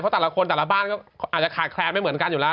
แต่ละคนแต่ละบ้านก็อาจจะขาดแคลนไม่เหมือนกันอยู่แล้ว